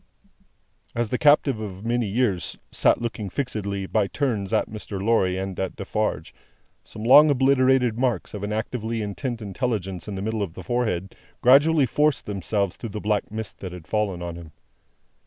As the captive of many years sat looking fixedly, by turns, at Mr. Lorry and at Defarge, some long obliterated marks of an actively intent intelligence in the middle of the forehead, gradually forced themselves through the black mist that had fallen on him.